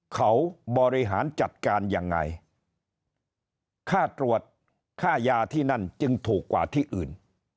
เขาบริหารจัดการยังไงค่าตรวจค่ายาที่นั่นจึงถูกกว่าที่อื่น